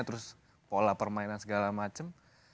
terus pola permainan segala macam